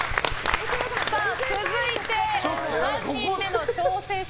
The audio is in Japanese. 続いて、３人目の挑戦者。